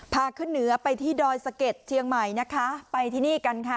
พาขึ้นเหนือไปที่ดอยสะเก็ดเชียงใหม่นะคะไปที่นี่กันค่ะ